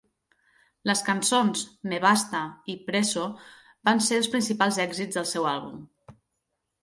Les cançons "Me basta" i "Preso" van ser els principals èxits del seu àlbum.